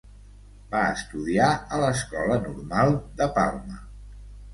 Va estudiar a l'Escola Normal de Palma.